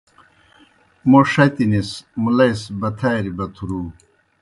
موں ݜَتنِس مُلئی سہ بتھاریْ بتھرُو۔